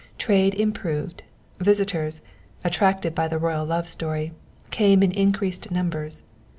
Trade improved, visitors, attracted by the royal love story, came in increased numbers.